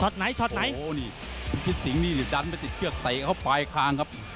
ไหนช็อตไหนโอ้นี่คิดสิงห์นี่ดันไปติดเชือกเตะเข้าปลายคางครับ